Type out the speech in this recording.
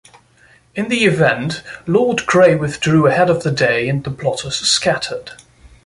In the event, Lord Grey withdrew ahead of the day, and the plotters scattered.